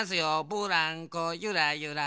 ブランコゆらゆら。